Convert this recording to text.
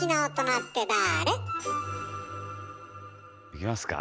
いきますか？